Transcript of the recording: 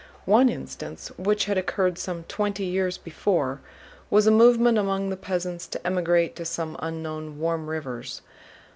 One instance, which had occurred some twenty years before, was a movement among the peasants to emigrate to some unknown "warm rivers."